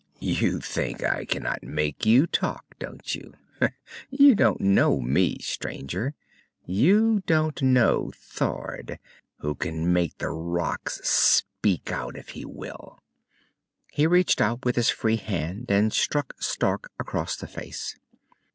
"You think I cannot make you talk, don't you? You don't know me, stranger! You don't know Thord, who can make the rocks speak out if he will!" He reached out with his free hand and struck Stark across the face.